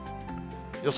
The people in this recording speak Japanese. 予想